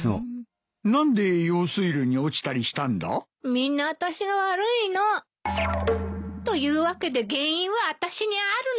みんなあたしが悪いの。というわけで原因はあたしにあるの。